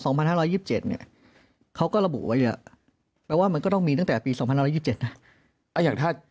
เนี่ยเขาก็ระบุไว้แล้วว่ามันก็ต้องมีตั้งแต่ปี๒๐๒๗นะอย่างถ้า